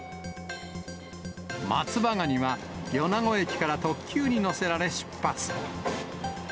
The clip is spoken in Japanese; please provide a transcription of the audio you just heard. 松葉がには、米子駅から特急に乗せられ出発。